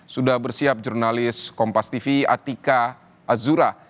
sudah bersiap jurnalis kompas tv atika azura